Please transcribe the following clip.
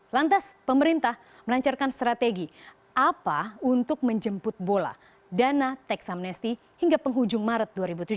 lantas pemerintah melancarkan strategi apa untuk menjemput bola dana teks amnesti hingga penghujung maret dua ribu tujuh belas